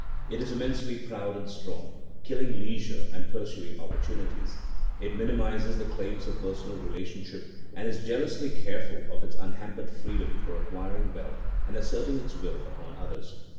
It is immensely proud and strong, killing leisure and pursuing opportunities. It minimises the claims of personal relationship and is jealously careful of its unhampered freedom for acquiring wealth and asserting its will upon others.